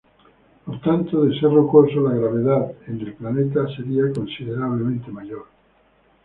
Por tanto, de ser rocoso, la gravedad en el planeta sería considerablemente mayor.